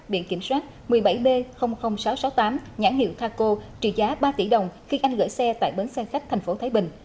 biển kiểm soát một mươi bảy b sáu trăm sáu mươi tám nhãn hiệu taco trị giá ba tỷ đồng khi anh gửi xe tại bến xe khách thành phố thái bình